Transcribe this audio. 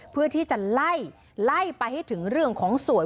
เพื่อที่จะไล่ไล่ไปให้ถึงเรื่องของสวย